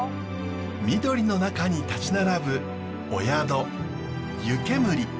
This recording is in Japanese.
緑の中に立ち並ぶお宿湯煙。